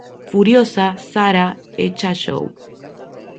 Furiosa, Sara echa a Joe.